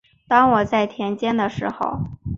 当我走在田间的时候